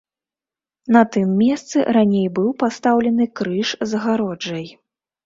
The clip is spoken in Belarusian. На тым месцы раней быў пастаўлены крыж з агароджай.